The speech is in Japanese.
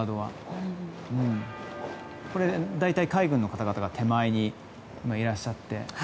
大体海軍の方々が手前にいらっしゃって。